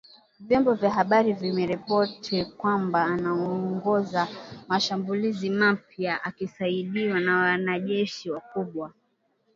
Vyombo vya habari vimeripoti kwamba anaongoza mashambulizi mapya akisaidiwa na wanajeshi wakubwa